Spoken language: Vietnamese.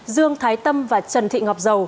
dương thái tâm và trần thị ngọc dầu